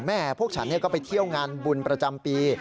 พวกฉันก็ไปเที่ยวงานบุญประจำปี